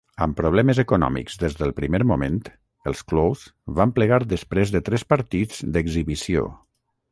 Amb problemes econòmics des del primer moment, els Claws van plegar després de tres partits d'exhibició.